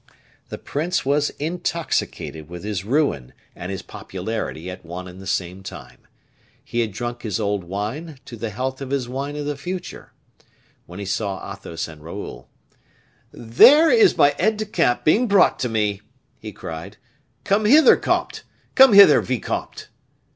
The prince was intoxicated with his ruin and his popularity at one and the same time. He had drunk his old wine to the health of his wine of the future. When he saw Athos and Raoul: "There is my aide de camp being brought to me!" he cried. "Come hither, comte; come hither, vicomte."